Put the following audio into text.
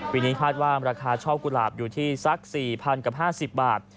ปีนี้คาดว่าราคาช่อกุหลาบอยู่ที่สัก๔๐๐กับ๕๐บาท